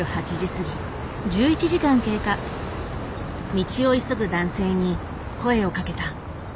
道を急ぐ男性に声をかけた。